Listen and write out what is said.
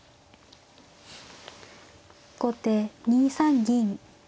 後手２三銀。